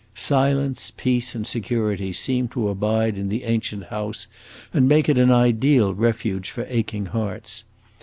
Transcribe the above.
Silence, peace, and security seemed to abide in the ancient house and make it an ideal refuge for aching hearts.